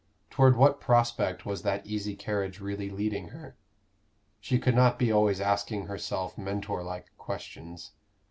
Toward what prospect was that easy carriage really leading her? She could not be always asking herself Mentor like questions.